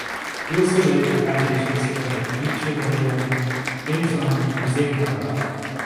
He also laid the foundations for the future William Benton Museum of Art.